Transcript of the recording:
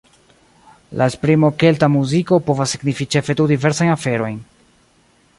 La esprimo "Kelta muziko" povas signifi ĉefe du diversajn aferojn.